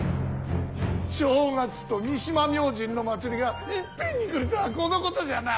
正月と三島明神の祭りがいっぺんに来るとはこのことじゃな。